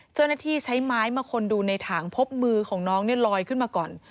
เจ้าหน้าที่ใช้ไม้มาคนดูในถังพบมือของน้องเนี่ยลอยขึ้นมาก่อน